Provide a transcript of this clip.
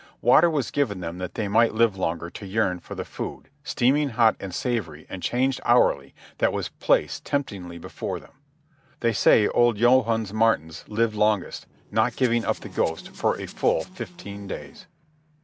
Water was given them that they might live longer to yearn for the food, steaming hot and savoury and changed hourly, that was place temptingly before them. They say old Johannes Maartens lived longest, not giving up the ghost for a full fifteen days.